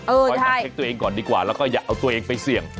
คอยมาเช็คตัวเองก่อนดีกว่าแล้วก็อย่าเอาตัวเองไปเสี่ยง